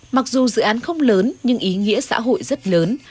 mặc dù dự án không lớn nhưng ý nghĩa xã hội rất lớn